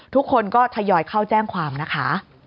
ทุกคนก็ทยอยเข้าแจ้งความนะคะ